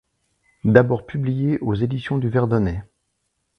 D'abord publié aux éditions du Verdonnet.